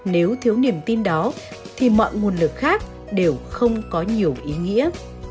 nếu thiếu niềm tin đó thì mọi nguồn lực khác đều không có nhiều ý nghĩa